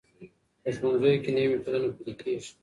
په ښوونځیو کې نوي میتودونه پلي کېږي.